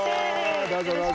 どうぞどうぞ。